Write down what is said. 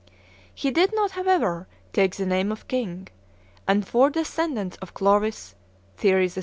He did not, however, take the name of king; and four descendants of Clovis, Thierry III.